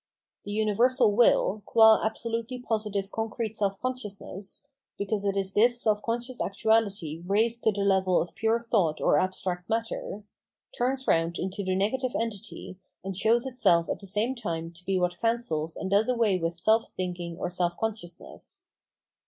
The universal will, qua absolutely positive concrete self consciousness — because it is this self con scious actuality raised to the level of pure thought or abstract matter — turns round into the negative entity, and shows itself at the same time to be what cancels and does away with self thinking or self conscious ness.